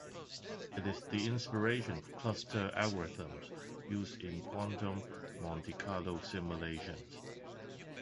It is the inspiration for cluster algorithms used in quantum monte carlo simulations.